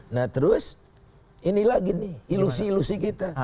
nah terus ini lagi nih ilusi ilusi kita